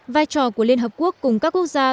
vai trò của liên hợp quốc cùng các quốc gia